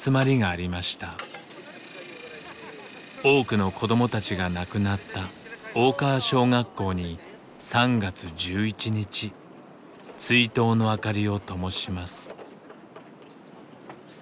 多くの子どもたちが亡くなった大川小学校に３月１１日追悼の灯りをともします。